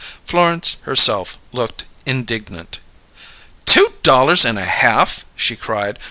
Florence, herself, looked indignant. "Two dollars and a half!" she cried.